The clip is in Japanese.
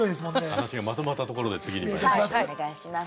話がまとまったところで次にまいります。